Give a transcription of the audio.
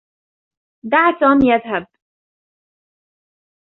دَع توم يذهب.